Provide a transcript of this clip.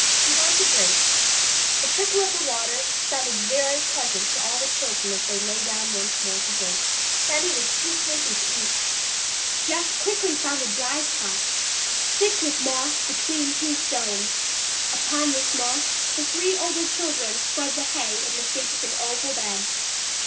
"He wants a drink." The trickle of water sounded very pleasant to all the children as they lay down once more to drink. Benny was too sleepy to eat. Jess quickly found a dry spot thick with moss between two stones. Upon this moss the three older children spread the hay in the shape of an oval bed.